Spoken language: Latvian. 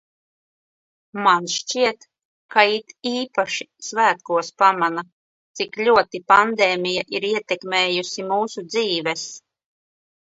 Man šķiet, ka it īpaši svētkos pamana, cik ļoti pandēmija ir ietekmējusi mūsu dzīves.